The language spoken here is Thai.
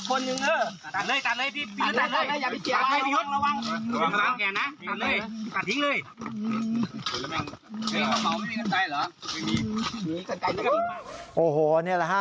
โอ้โฮเนี่ยแหละค่ะ